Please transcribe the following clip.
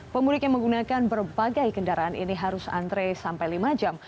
pemudik yang menggunakan berbagai kendaraan ini harus antre sampai lima jam